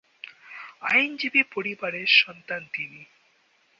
আইনজীবী পরিবারের সন্তান তিনি।